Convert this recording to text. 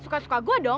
suka suka gue dong